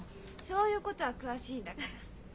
そういうことは詳しいんだから。